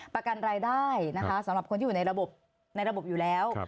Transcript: ประกันรายได้นะคะสำหรับคนที่อยู่ในระบบในระบบอยู่แล้ว